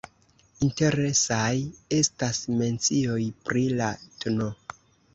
Interesaj estas mencioj pri la tn.